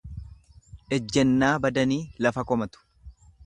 Ejjennaa badanii lafa komatu.